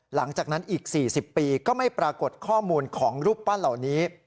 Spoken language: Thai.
หลังจากนั้นอีก๔๐ปีก็ไม่ปรากฏข้อมูลของรูปปั้นเหล่านี้